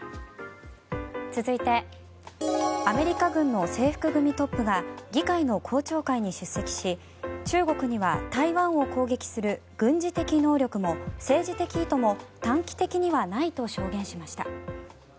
続いてアメリカ軍の制服組トップが議会の公聴会に出席し中国には台湾を攻撃する軍事的能力も政治的意図も短期的にはないと証言しました。